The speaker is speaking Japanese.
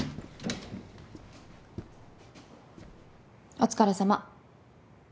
お疲れさま。